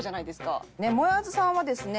もえあずさんはですね